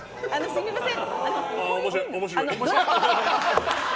すみません。